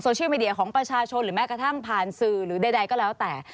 เชื่อมีเดียของประชาชนหรือแม้กระทั่งผ่านสื่อหรือใดก็แล้วแต่